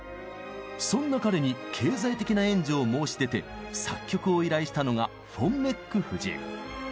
そんな彼に経済的な援助を申し出て作曲を依頼したのがフォン・メック夫人。